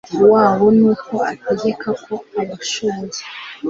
wabo nuko ategeka ko abashoboye